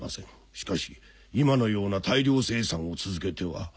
しかし今のような大量生産を続けては。